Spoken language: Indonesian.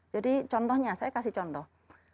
jadi contohnya saya kasih contoh